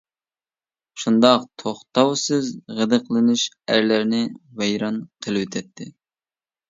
شۇنداق، توختاۋسىز غىدىقلىنىش ئەرلەرنى ۋەيران قىلىۋەتتى.